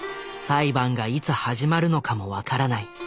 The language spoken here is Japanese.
裁判がいつ始まるのかも分からない。